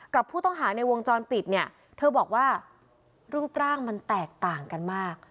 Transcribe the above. กับผู้ต้องหาในวงจรปิดเนี่ยเธอบอกว่ารูปร่างมันแตกต่างกันมาก